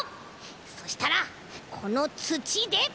そしたらこのつちで！